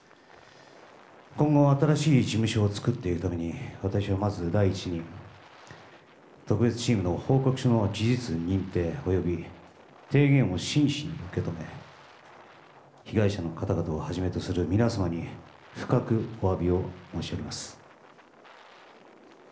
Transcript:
今後、新しい事務所を作っていくために、私はまず第一に、特別チームの報告書の事実認定、および提言を真摯に受け止め、被害者の方々をはじめとする皆様に、深くおわびを申し上げます。